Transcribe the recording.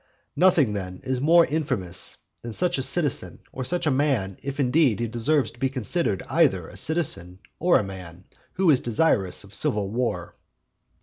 Nothing, then, is more infamous than such a citizen or such a man; if indeed he deserves to be considered either a citizen or a man, who is desirous of civil war.